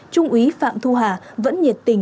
trung úy phạm thu hà vẫn nhiệt tình